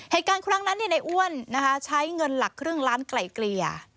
เหตุการณ์ครั้งนั้นในอ้วนใช้เงินหลักครึ่งล้านไกลเกลี่ย